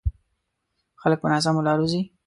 خلک په ناسمو لارو ځي.